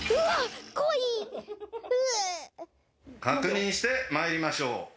確認してまいりましょう。